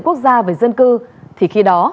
quốc gia về dân cư thì khi đó